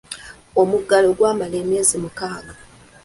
Omuggalo gwamala emyezi mukaaga.